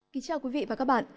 xin chào quý vị và các bạn